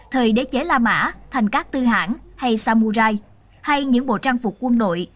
thời đế chế la mã thành các tư hãng hay samurai hay những bộ trang phục quân đội